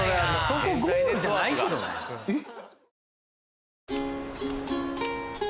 そこゴールじゃないけどねえっ？